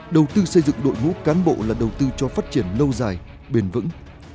đầu tư xây dựng đội ngũ cán bộ là đầu tư cho phát triển lâu dài bền vững